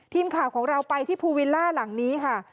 ทีมข่าวของเราไปที่ภูวิลล่าหลังนี้ค่ะ